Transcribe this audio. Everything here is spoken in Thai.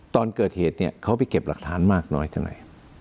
ตอนเกิดเหตุเนี่ยเขาไปเก็บหลักฐานมากน้อยเท่าไหร่